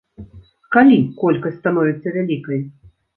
Калі колькасць становіцца вялікай?